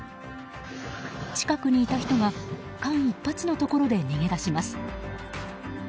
近くにいた人が間一髪のところで逃げ出します。